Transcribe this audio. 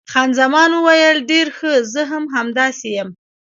خان زمان وویل، ډېر ښه، زه هم همداسې یم.